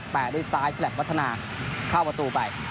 แปดด้วยซ้ายแชล็ปวัฒนาเข้าประตูไป